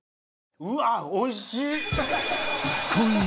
うわっおいしい！